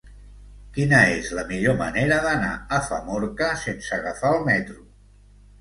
Quina és la millor manera d'anar a Famorca sense agafar el metro?